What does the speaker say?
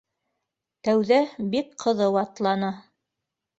Тәүҙә бик ҡыҙыу атланы